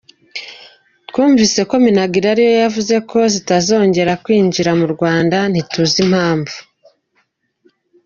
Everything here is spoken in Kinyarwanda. Twumvise ko Minagri ariyo yavuze ko zitazongera kwinjira mu Rwanda ntituzi impamvu.